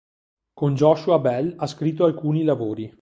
Con Joshua Bell ha scritto alcuni lavori.